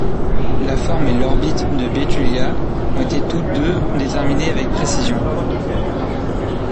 La forme et l'orbite de Betulia ont été toutes deux déterminées avec précision.